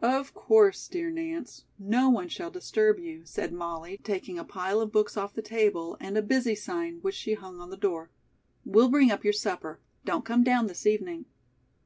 "Of course, dear Nance, no one shall disturb you," said Molly, taking a pile of books off the table and a "Busy" sign, which she hung on the door. "We'll bring up your supper. Don't come down this evening."